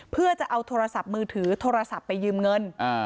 เพื่อจะเอาโทรศัพท์มือถือโทรศัพท์ไปยืมเงิน